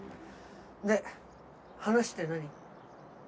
で話って何？